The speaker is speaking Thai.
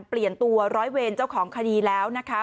เปลี่ยนตัวร้อยเวรเจ้าของคดีแล้วนะคะ